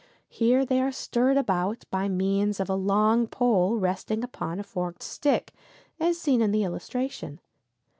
Here they are stirred about by means of a long pole resting upon a forked stick, as seen in the illustration.